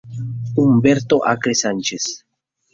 Humberto Arce Sánchez".